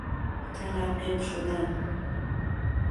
متلقب شدن